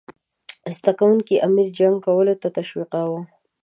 زده کوونکي امیر جنګ کولو ته تشویقاووه.